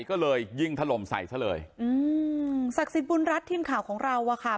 ก็เลยยิงถล่มใส่ซะเลยอืมศักดิ์สิทธิ์บุญรัฐทีมข่าวของเราอ่ะค่ะ